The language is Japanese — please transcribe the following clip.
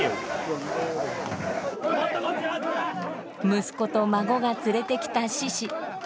息子と孫が連れてきた獅子。